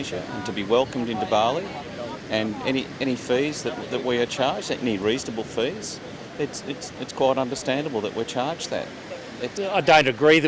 saya tidak setuju bahwa kita perlu bayar rp sepuluh untuk datang ke indonesia